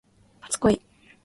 初恋